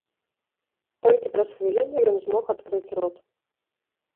Толькі праз хвіліну ён змог адкрыць рот.